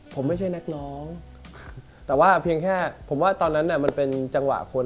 ผมไม่ใช่นักร้องแต่ว่าเพียงแค่ผมว่าตอนนั้นมันเป็นจังหวะคน